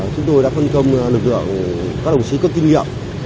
chúng tôi đã phân công lực lượng các đồng chí cấp kinh nghiệm